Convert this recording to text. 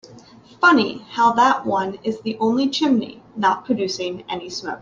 Funny how that one is the only chimney not producing any smoke.